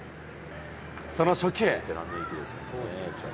その初球。